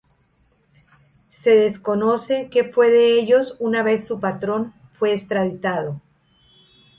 Se desconoce que fue de ellos una vez su patrón fue extraditado.